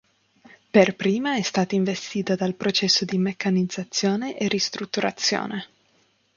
Per prima è stata investita dal processo di meccanizzazione e ristrutturazione.